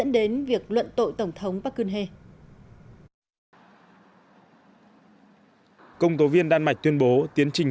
đến việc luận tội tổng thống park geun hye công tố viên đan mạch tuyên bố tiến trình